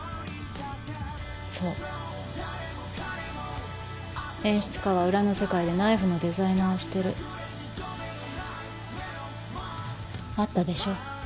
そう演出家は裏の世界でナイフのデザイナーをしてるあったでしょ？